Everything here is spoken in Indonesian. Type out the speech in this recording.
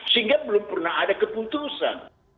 sehingga belum pernah ada keputusan